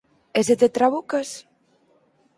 E se te trabucas?